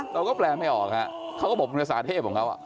เราก็แปลไม่ออกฮะเขาก็บอกเป็นภาษาเทพของเขา